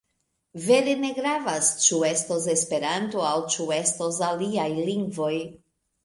Vere ne gravas ĉu estos Esperanto aŭ ĉu estos aliaj lingvoj.